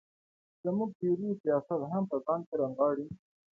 زموږ تیوري سیاست هم په ځان کې را نغاړي.